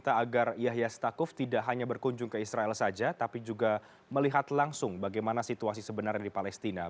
tidak hanya berkunjung ke israel saja tapi juga melihat langsung bagaimana situasi sebenarnya di palestina